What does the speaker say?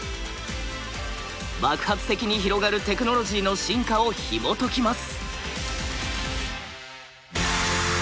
爆発的に広がるテクノロジーの進化をひもときます。